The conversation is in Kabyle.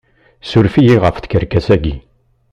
Suref-iyi ɣef tkerkas-agi!